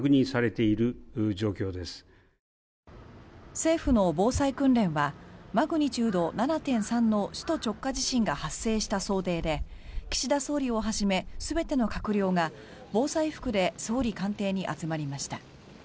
政府の防災訓練はマグニチュード７．３の首都直下地震が発生した想定で岸田総理をはじめ全ての閣僚が防災服で総理官邸に集まりました。